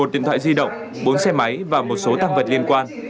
một mươi một điện thoại di động bốn xe máy và một số tăng vật liên quan